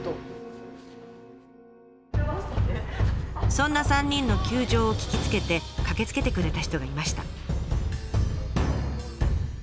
そんな３人の窮状を聞きつけて駆けつけてくれた人がいました。